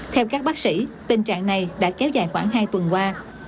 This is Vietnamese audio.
theo các bác sĩ tình trạng này đã kéo dài khoảng hai tuần qua